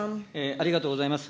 ありがとうございます。